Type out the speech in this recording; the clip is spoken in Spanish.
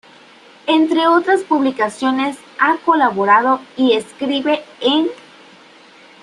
Entre otras publicaciones ha colaborado y escribe en